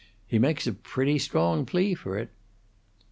He makes a pretty strong plea for it."